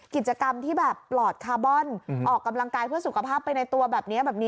กิจกรรมที่แบบปลอดคาร์บอนออกกำลังกายเพื่อสุขภาพไปในตัวแบบนี้แบบนี้